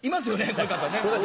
こういう方ね。